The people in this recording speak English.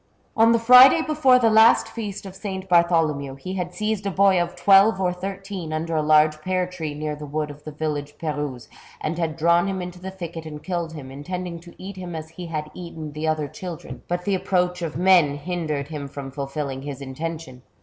On the Friday before the last feast of S. Bar tholomew, he had seized a boy of twelve or thirteen, under a large pear tree near the wood of the village Perrouze, and had drawn him into the thicket and killed him, intending to eat him as he had eaten the other children, but the approach of men hindered him 78 THE BOOK OF WERE WOLVES, from fulfilling his intention.